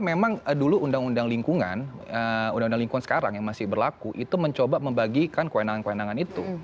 memang dulu undang undang lingkungan undang undang lingkungan sekarang yang masih berlaku itu mencoba membagikan kewenangan kewenangan itu